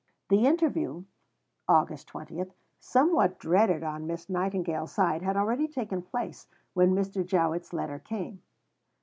The interview (Aug. 20), somewhat dreaded on Miss Nightingale's side, had already taken place when Mr. Jowett's letter came.